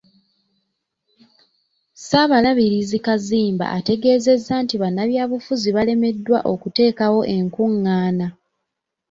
Ssaabalabirizi Kazimba ategeeezezza nti bannabyabufuzi balemeddwa okuteekawo enkung'aana.